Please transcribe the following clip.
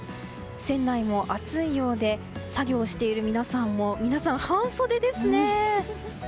船内も暑いようで作業している皆さんも半袖ですね。